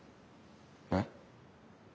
えっ？